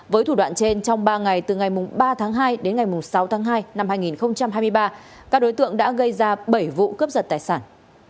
với thủ đoạn trên trong ba ngày từ ngày ba tháng hai đến ngày sáu tháng hai năm hai nghìn hai mươi ba các đối tượng đã gây ra bảy vụ cướp giật tài sản